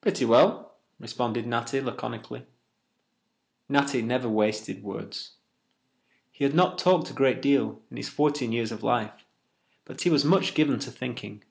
"Pretty well," responded Natty laconically. Natty never wasted words. He had not talked a great deal in his fourteen years of life, but he was much given to thinking.